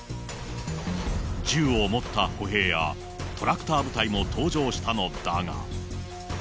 銃を持った歩兵や、トラクター部隊も登場したのだが。